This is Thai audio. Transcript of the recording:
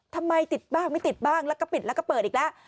ทำไมติดบ้างไม่ติดบ้างแล้วก็ปิดแล้วก็เปิดอีกแล้ว